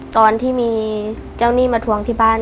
ตอนที่มีเจ้าหนี้มาทวงที่บ้าน